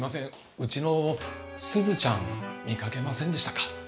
ウチのすずちゃん見かけませんでしたか？